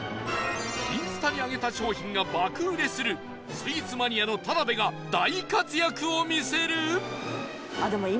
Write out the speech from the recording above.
インスタに上げた商品が爆売れするスイーツマニアの田辺が大活躍を見せる？